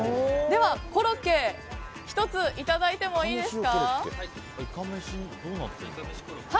コロッケ１ついただいてもいいですか。